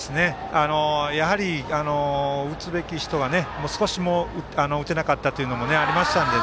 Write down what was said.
やはり、打つべき人がもう少し打てなかったのがありましたので。